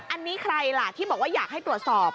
อันนี้ใครล่ะที่บอกว่าอยากให้ตรวจสอบ